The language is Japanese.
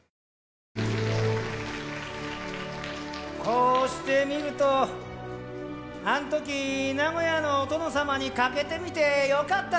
こうしてみるとあんとき名古屋のお殿様に賭けてみてよかったな。